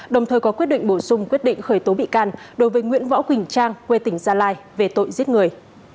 đồng thời có quyết định bổ sung quyết định khởi tố bị can đối với nguyễn võ quỳnh trang quê tỉnh gia lai về tội giết người